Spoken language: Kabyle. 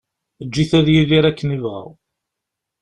Eǧǧ-it ad yidir akken yebɣa.